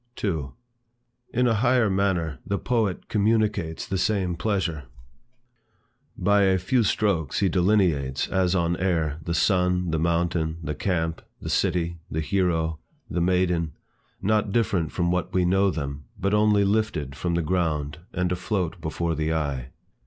2. In a higher manner, the poet communicates the same pleasure. By a few strokes he delineates, as on air, the sun, the mountain, the camp, the city, the hero, the maiden, not different from what we know them, but only lifted from the ground and afloat before the eye.